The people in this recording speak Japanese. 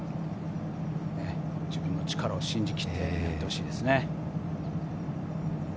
自分の力を信じ切ってやってほしいですね。